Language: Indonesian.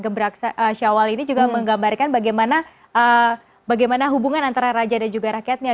gebrak syawal ini juga menggambarkan bagaimana hubungan antara raja dan juga rakyatnya